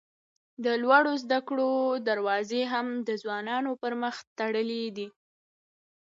د لوړو زده کړو دروازې هم د ځوانانو پر مخ تړلي دي.